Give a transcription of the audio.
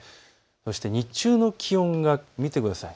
そして日中の気温が、見てください。